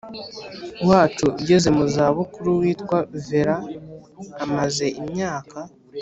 wacu ugeze mu za bukuru witwa Vera amaze imyaka